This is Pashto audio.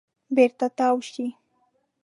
بېرته تاو شئ .